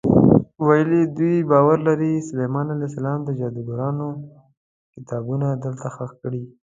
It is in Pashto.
ویل یې دوی باور لري سلیمان علیه السلام د جادوګرانو کتابونه دلته ښخ کړي.